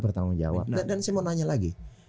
bertanggung jawab dan saya mau nanya lagi